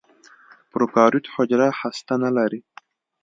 پروکاریوت حجرې هسته نه لري.